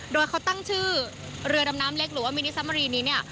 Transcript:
โดยเขาตั้งชื่อเรือดำน้ำเล็กหรือว่ามินิสามรีนี้เนี่ย